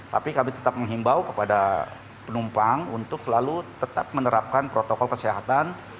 tapi kami tetap menghimbau kepada penumpang untuk selalu tetap menerapkan protokol kesehatan